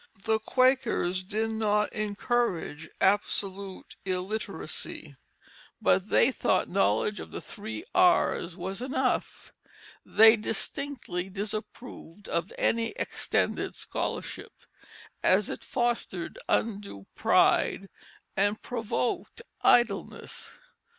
The Quakers did not encourage absolute illiteracy, but they thought knowledge of the "three R's" was enough; they distinctly disapproved of any extended scholarship, as it fostered undue pride and provoked idleness.